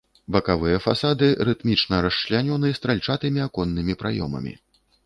Бакавыя фасады рытмічна расчлянёны стральчатымі аконнымі праёмамі.